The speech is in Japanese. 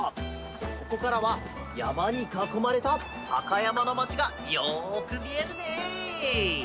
ここからはやまにかこまれたたかやまのまちがよくみえるね。